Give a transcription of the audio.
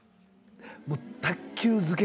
もう卓球漬け。